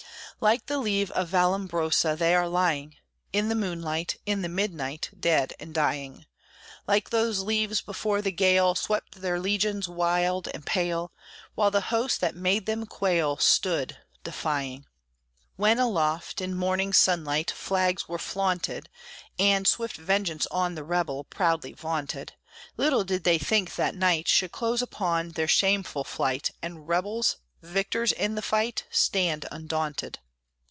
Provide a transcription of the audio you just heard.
Like the leaves of Vallambrosa They are lying; In the moonlight, in the midnight, Dead and dying; Like those leaves before the gale, Swept their legions, wild and pale; While the host that made them quail Stood, defying. When aloft in morning sunlight Flags were flaunted, And "swift vengeance on the rebel" Proudly vaunted: Little did they think that night Should close upon their shameful flight, And rebels, victors in the fight, Stand undaunted.